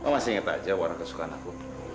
masih inget aja warna kesukaan aku